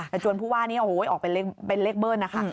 แต่จวนผู้ว่านี้โอ้โหออกเป็นเลขเบิ้ลนะคะ